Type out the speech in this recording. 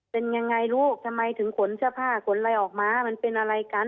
เป็นยังไงลูกทำไมถึงขนเสื้อผ้าขนอะไรออกมามันเป็นอะไรกัน